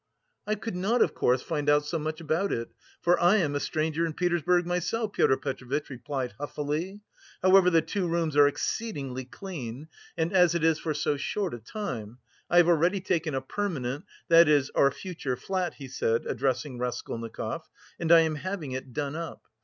"I could not, of course, find out so much about it, for I am a stranger in Petersburg myself," Pyotr Petrovitch replied huffily. "However, the two rooms are exceedingly clean, and as it is for so short a time... I have already taken a permanent, that is, our future flat," he said, addressing Raskolnikov, "and I am having it done up.